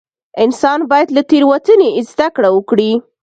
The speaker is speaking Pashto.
انسان باید له تېروتنې زده کړه وکړي.